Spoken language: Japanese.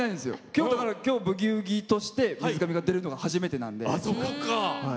今日、「ブギウギ」として水上が出るのが初めてなので。